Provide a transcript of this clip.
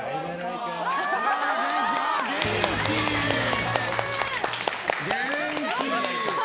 元気！